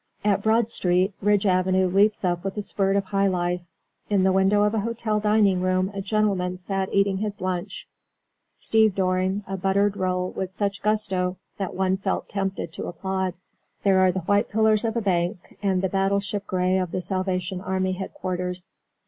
At Broad Street, Ridge Avenue leaps up with a spurt of high life. In the window of a hotel dining room a gentleman sat eating his lunch, stevedoring a buttered roll with such gusto that one felt tempted to applaud. There are the white pillars of a bank and the battleship gray of the Salvation Army headquarters.